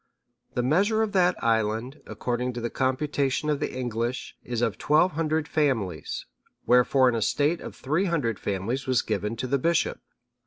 (636) The measure of that island, according to the computation of the English, is of twelve hundred families, wherefore an estate of three hundred families was given to the Bishop.